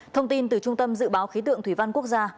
thông tin từ trung tâm dự báo khí tượng thủy văn quốc gia